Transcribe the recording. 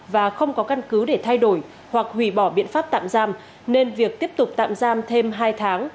và không có căn cứ để thay đổi hoặc hủy bỏ biện pháp tạm giam nên việc tiếp tục tạm giam thêm hai tháng